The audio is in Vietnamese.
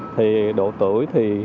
thì độ tuổi thì